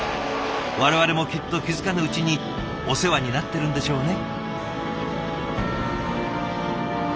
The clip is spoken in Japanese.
我々もきっと気付かぬうちにお世話になってるんでしょうね。